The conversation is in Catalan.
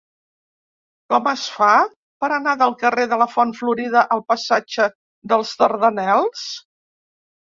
Com es fa per anar del carrer de la Font Florida al passatge dels Dardanels?